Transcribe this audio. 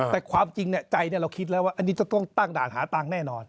แต่ความจริงใจเราคิดแล้วว่าอันนี้จะต้องตั้งด่านหาตังค์แน่นอน